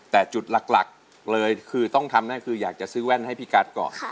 แต่จุดหลักเลยคือต้องทำนั่นคืออยากจะซื้อแว่นให้พี่กัสก่อน